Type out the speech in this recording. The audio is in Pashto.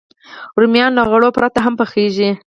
رومیان له غوړو پرته هم پخېږي